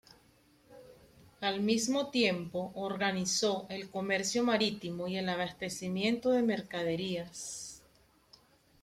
Al mismo tiempo, organizó el comercio marítimo y el abastecimiento de mercaderías.